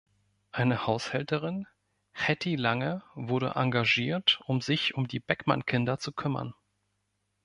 Eine Haushälterin, Hattie Lange, wurde engagiert, um sich um die Beckman-Kinder zu kümmern.